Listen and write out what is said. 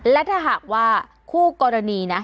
และถ้าหากว่าคู่กรณีนะ